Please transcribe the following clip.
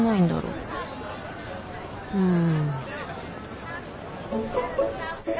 うん。